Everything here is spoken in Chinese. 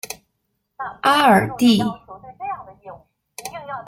阿尔蒂。